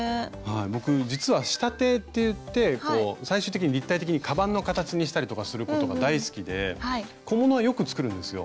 僕実は仕立てっていって最終的に立体的にかばんの形にしたりとかすることが大好きで小物はよく作るんですよ。